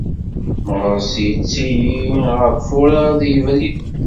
Meɣres yettili gar furar d yibrir.